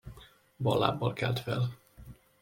Bal lábbal kelt fel.